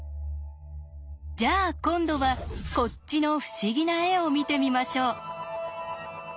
じゃあ今度はこっちの不思議な絵を見てみましょう。